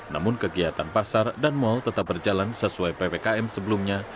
namun kegiatan pasar dan mal tetap berjalan sesuai ppkm sebelumnya